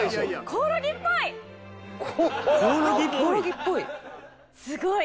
「コオロギっぽい」。